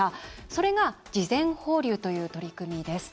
それが「事前放流」という取り組みです。